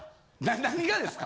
何がですか？